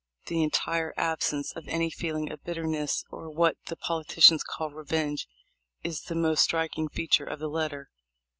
The entire absence of any feeling of bitterness, or what the politicians call revenge, is the most striking feature of the letter.